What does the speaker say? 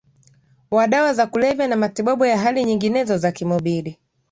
wa dawa za kulevya na matibabu ya hali nyinginezo za komobidi